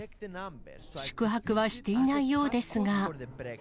宿泊はしていないようですが。